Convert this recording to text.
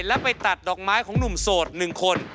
และไปตัดดอกไม้ของหนุ่มโสด๑คน